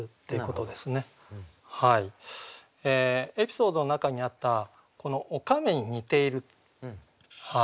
エピソードの中にあったこの「おかめに似ている」。